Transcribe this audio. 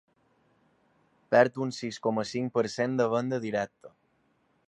Perd un sis coma cinc per cent de venda directa.